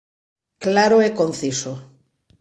Claro e conciso.